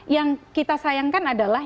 yang kita sayangkan adalah